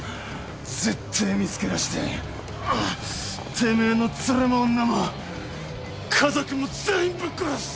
絶対見つけ出しててめえのツレも女も家族も全員ぶっ殺す！